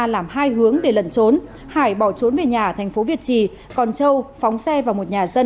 làm hai hướng để lẩn trốn hải bỏ trốn về nhà ở thành phố việt trì còn châu phóng xe vào một nhà dân